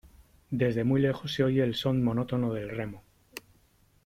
desde muy lejos se oye el son monótono del remo .